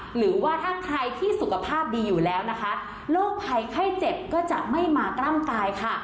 หรือว่าถ้าใครที่สุขภาพดีอยู่แล้วนะคะโรคภัยไข้เจ็บก็จะไม่มากล้ำกายค่ะ